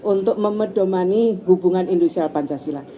untuk memedomani hubungan industrial pancasila